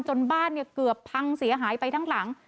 จนบ้านเนี่ยเกือบพังเสียหายไปทั้งหลัง